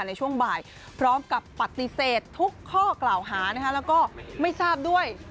ในช่วงบ่ายพร้อมกับปฏิเสธทุกข้อกล่าวหานะคะแล้วก็ไม่ทราบด้วย